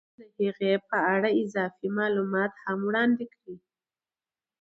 د هغې په اړه اضافي معلومات هم وړاندې کړي